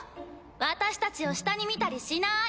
私たちを下に見たりしない。